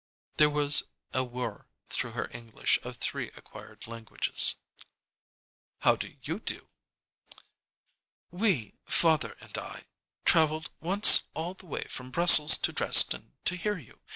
There was a whir through her English of three acquired languages. "How do you do?" "We father and I traveled once all the way from Brussels to Dresden to hear you.